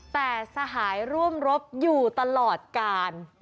แต่สหายร่วมรบอยู่ตลอดกาล